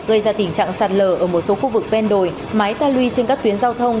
gây ra tình trạng sạt lờ ở một số khu vực ven đồi mái ta luy trên các tuyến giao thông